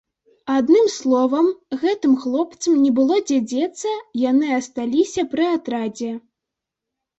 Адным словам, гэтым хлопцам не было дзе дзецца, яны асталіся пры атрадзе.